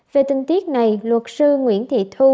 về tinh tiết này luật sư nguyễn thị thu